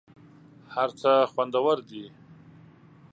هر څه خوندور دي .